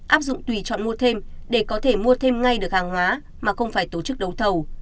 áp dụng tùy chọn mua thêm để có thể mua thêm ngay được hàng hóa mà không phải tổ chức đấu thầu